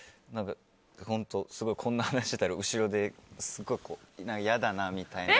本当、すごいこんな話をしてたら後ろですごい、やだなみたいな。